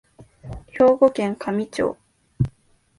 兵庫県香美町